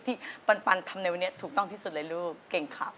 ปันทำในวันนี้ถูกต้องที่สุดเลยลูกเก่งขับ